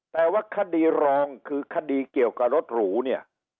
แต่ว่าคดีรองคือคดีเกี่ยวกับรถหรูเนี่ย